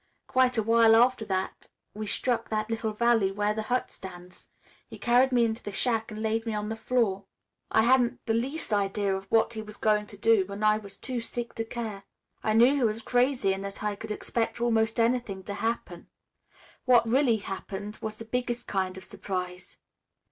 Quite a while after that we struck that little valley where the hut stands. He carried me into the shack and laid me on the floor. I hadn't the least idea of what he was going to do, and I was too sick to care. I knew he was crazy and that I could expect almost anything to happen. What really happened was the biggest kind of a surprise.